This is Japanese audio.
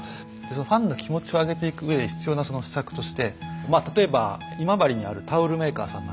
ファンの気持ちを上げていくうえで必要なその施策として例えば今治にあるタオルメーカーさんなんかはですね